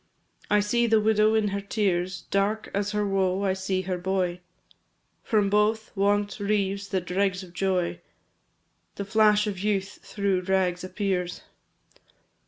I see the widow in her tears, Dark as her woe I see her boy From both, want reaves the dregs of joy; The flash of youth through rags appears.